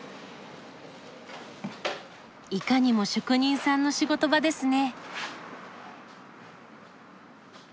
いかにも職人さんの仕事場ですね。